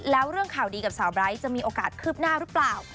แล้วเรื่องข่าวดีกับสาวไบร์ทจะมีโอกาสคืบหน้าหรือเปล่า